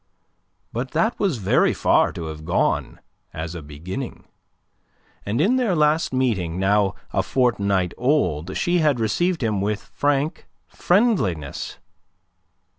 But that was very far to have gone as a beginning. And in their last meeting, now a fortnight old, she had received him with frank friendliness.